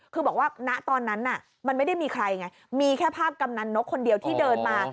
คือบอกว่าณตอนนั้นมันไม่ได้มีใครไงมีแค่ภาพกำนันนกคนเดียวที่เดินมา